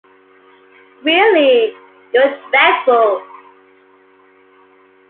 Really, you’re dreadful.